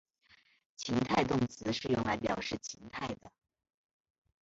情态动词是用来表示情态的。